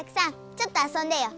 ちょっと遊んでよ！